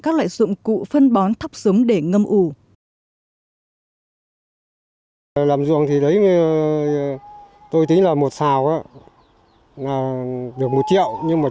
các loại dụng cụ phân bón thắp sống